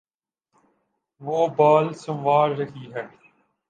وہ بال سنوار رہی ہے